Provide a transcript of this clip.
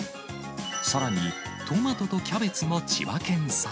さらに、トマトとキャベツも千葉県産。